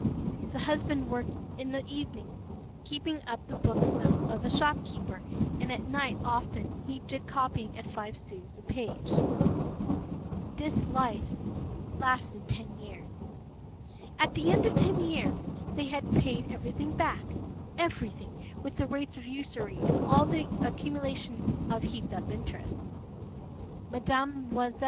p>The husband worked in the evening keeping up the books of a shopkeeper, and at night often he did copying at five sous the page.And this life lasted ten years.At the end of ten years they had paid everything back, everything, with the rates of usury and all the accumulation of heaped up interest.Mme.